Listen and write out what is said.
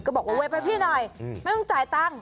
บอกว่าเว็บให้พี่หน่อยไม่ต้องจ่ายตังค์